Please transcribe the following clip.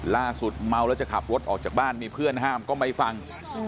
ล่าสุดเมาแล้วจะขับรถออกจากบ้านมีเพื่อนห้ามก็ไม่ฟัง